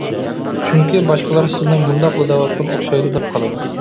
چۈنكى باشقىلار سىزنى مۇنداقلا دەۋاتقان ئوخشايدۇ دەپ قالىدۇ.